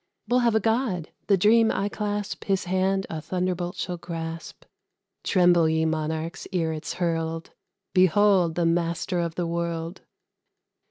"We 'll have a god the dream I clasp; His hand a thunderbolt shall grasp. Tremble, ye monarchs, ere it's hurled! Behold the master of the world!"